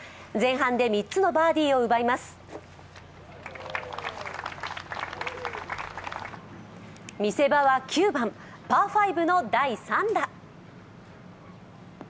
前半で３つのバーディーを奪います見せ場は９番、パー５の第３打。